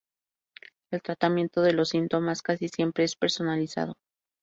El tratamiento de los síntomas casi siempre es personalizado.